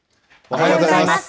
おはようございます。